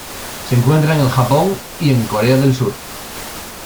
Se encuentra en el Japón y en Corea del Sur.